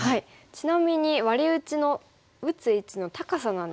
ちなみにワリ打ちの打つ位置の高さなんですけど。